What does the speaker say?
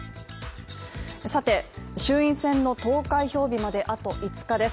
衆院選の投開票日まであと５日です。